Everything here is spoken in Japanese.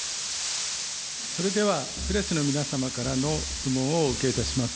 それでは、プレスの皆様からの質問をお受けいたします。